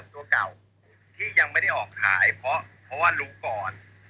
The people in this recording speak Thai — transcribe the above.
ที่ยังไม่ได้ออกขายเพราะว่ารู้ก่อน